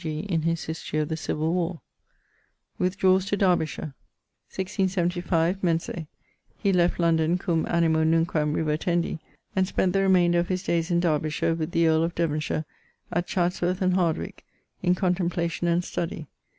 g. in his History of the Civill Warre]. <_Withdraws to Derbyshire._> 1675, mense ..., he left London cum animo nunquam revertendi, and spent the remaynder of his dayes in Derbyshire with the earl of Devonshire at Chatsworth and Hardwyck, in contemplation and study.